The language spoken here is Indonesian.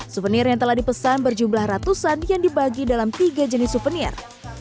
suvenir yang telah dipesan berjumlah ratusan yang dibagi dalam tiga jenis souvenir